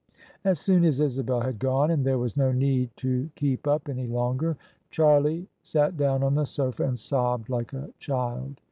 As soon as Isabel had gone and there was no need to keep OF ISABEL CARNABY up any longer, Charlie sat down on the sofa and sobbed like a child.